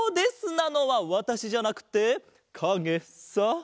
なのはわたしじゃなくてかげさ。